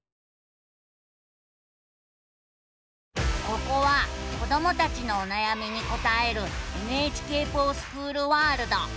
ここは子どもたちのおなやみに答える「ＮＨＫｆｏｒＳｃｈｏｏｌワールド」。